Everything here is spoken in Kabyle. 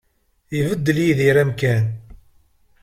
Ibeddel Yidir amkan.